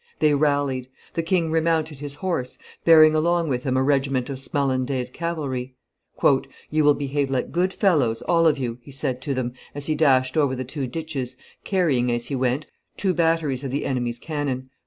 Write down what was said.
They rallied: the king remounted his horse, bearing along with him a regiment of Smalandaise cavalry. "You will behave like good fellows, all of you," he said to them, as he dashed over the two ditches, carrying, as he went, two batteries of the enemy's cannon.